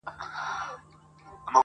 پردى مال نه خپلېږي.